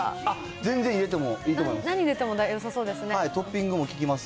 全然入れてもいいと思います。